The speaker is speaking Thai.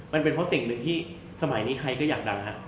มันเป็นเพราะสิ่งหนึ่งที่สมัยนี้ใครก็อยากดังฮะ